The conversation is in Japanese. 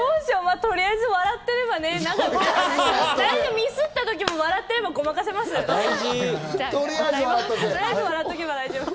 とりあえず笑ってれば、ミスった時も笑ってればごまかせます。